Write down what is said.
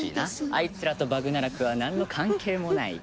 あいつらとバグナラクはなんの関係もない。